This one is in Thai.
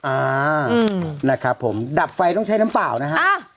อ่านะครับผมดับไฟต้องใช้น้ำเปล่านะฮะ